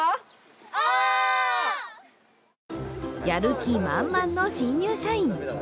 やる気満々の新入社員。